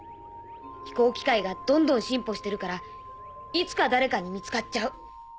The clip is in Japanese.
飛行機械がどんどん進歩してるからいつか誰かに見つかっちゃう。